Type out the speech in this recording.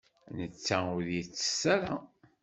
Netta ur yettess ara.